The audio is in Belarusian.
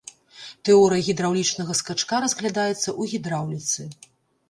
Тэорыя гідраўлічнага скачка разглядаецца ў гідраўліцы.